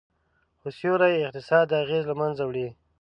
خو سیوري اقتصاد دا اغیز له منځه وړي